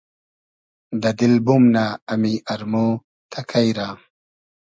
دۂ دیل بومنۂ امی ارمۉ تئکݷ رۂ